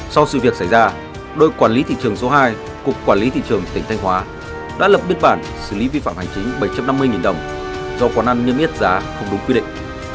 sau sự việc xảy ra đội quản lý thị trường số hai cục quản lý thị trường tỉnh thanh hóa đã lập biên bản xử lý vi phạm hành chính bảy trăm năm mươi đồng do quán ăn niêm yết giá không đúng quy định